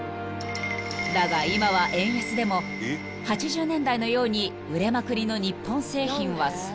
［だが今は円安でも８０年代のように売れまくりの日本製品は少ない］